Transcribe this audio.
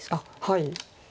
はい。